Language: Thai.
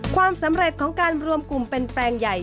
ความสำเร็จของการรวมกลุ่มเป็นแปลงใหญ่